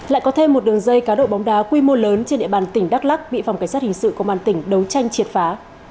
lại có thêm một đường dây cá độ bóng đá quy mô lớn trên địa bàn tỉnh đắk lắc bị phòng cảnh sát hình sự công an tỉnh đấu tranh triệt phá